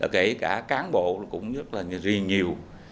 kể cả cán bộ cũng rất là riêng nhiều